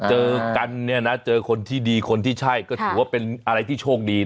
เจอกันเนี่ยนะเจอคนที่ดีคนที่ใช่ก็ถือว่าเป็นอะไรที่โชคดีนะ